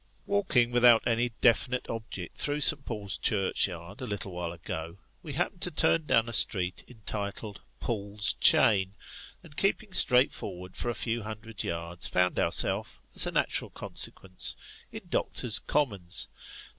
WALKING, without any definite object through St. Paul's Churchyard, a little while ago, we happened to turn down a street entitled " Paul's Chain," and keeping straight forward for a few hundred yards, found ourself, as a natural consequence, in Doctors' Commons.